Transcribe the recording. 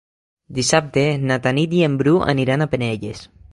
Dissabte na Tanit i en Bru aniran a Penelles.